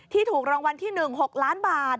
ถูกรางวัลที่๑๖ล้านบาท